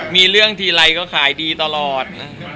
มีเรื่องทีไรก็ขายดีตลอด